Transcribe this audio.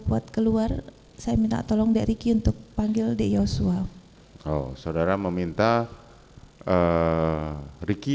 buat keluar saya minta tolong dari ki untuk panggil di joshua oh saudara meminta ricky